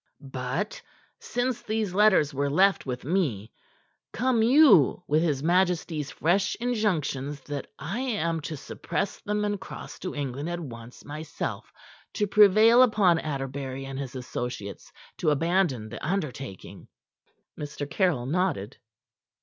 "But, since these letters were left with me, come you with his majesty's fresh injunctions that I am to suppress them and cross to England at once myself, to prevail upon Atterbury and his associates to abandon the undertaking." Mr. Caryll nodded.